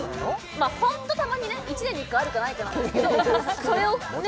まあホントたまにね１年に１回あるかないかなんですけどそれをね